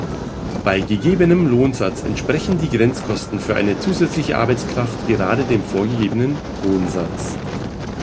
Bei gegebenem Lohnsatz entsprechen die Grenzkosten für eine zusätzliche Arbeitskraft gerade dem vorgegebenen Lohnsatz.